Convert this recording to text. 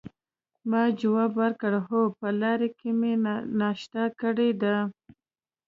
ما ځواب ورکړ: هو، په لاره کې مې ناشته کړې ده.